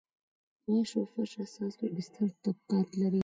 واش د فرش اساس او بستر طبقات لري